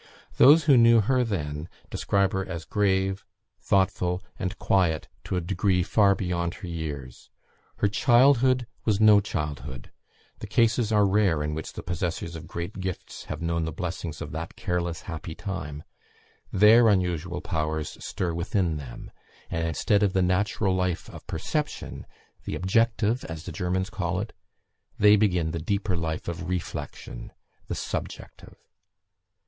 Those who knew her then, describe her as grave, thoughtful, and quiet, to a degree far beyond her years. Her childhood was no childhood; the cases are rare in which the possessors of great gifts have known the blessings of that careless happy time; their unusual powers stir within them, and, instead of the natural life of perception the objective, as the Germans call it they begin the deeper life of reflection the subjective.